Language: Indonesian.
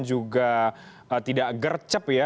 juga tidak gercep ya